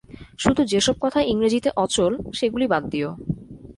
শুধু যে সব কথা ইংরেজীতে অচল, সেগুলি বাদ দিও।